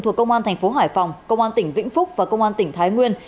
thuộc công an tp hải phòng công an tỉnh vĩnh phúc và công an tỉnh thái nguyên